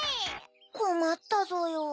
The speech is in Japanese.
こまったぞよ。